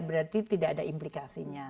berarti tidak ada implikasinya